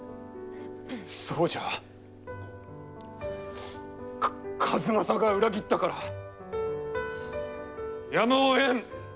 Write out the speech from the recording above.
そうじゃ数正が裏切ったからやむをえん！